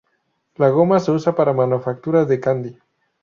La goma se usa para manufactura de candy.